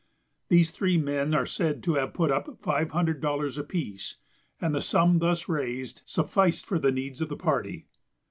These three men are said to have put up five hundred dollars apiece, and the sum thus raised sufficed for the needs of the party.